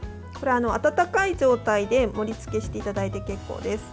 温かい状態で盛りつけしていただいて結構です。